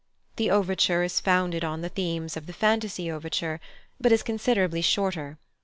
The overture is founded on the themes of the "Fantasy Overture," but is considerably shorter.